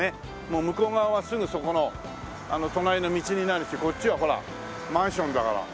もう向こう側はすぐそこの隣の道になるしこっちはほらマンションだから。